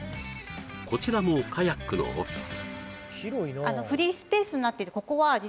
こちらもカヤックのオフィス